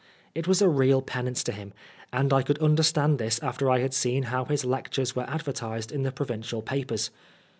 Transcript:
It was a real penance to him, and I could understand this after I had seen how his lectures were advertised in the provincial papers.